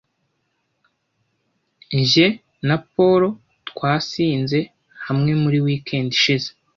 Jye na Paul twasinze hamwe muri weekend ishize.